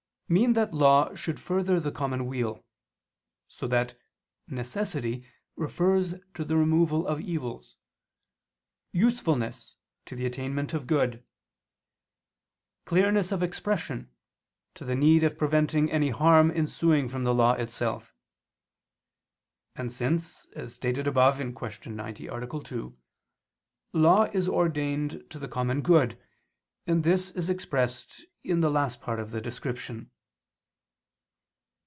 mean that law should further the common weal: so that "necessity" refers to the removal of evils; "usefulness" to the attainment of good; "clearness of expression," to the need of preventing any harm ensuing from the law itself. And since, as stated above (Q. 90, A. 2), law is ordained to the common good, this is expressed in the last part of the description.